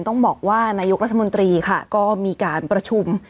ต้องบอกว่านายกรัฐมนตรีค่ะก็มีการประชุม